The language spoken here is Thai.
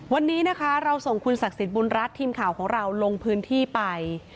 วันนี้นะคะเราส่งคุณศักดิ์สิทธิบุญรัฐทีมข่าวของเราลงพื้นที่ไป